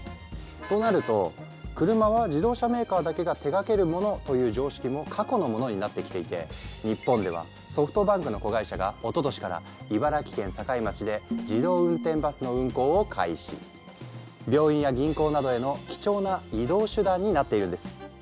となると車は自動車メーカーだけが手がけるものという常識も過去のものになってきていて日本ではソフトバンクの子会社がおととしから茨城県境町で病院や銀行などへの貴重な移動手段になっているんです。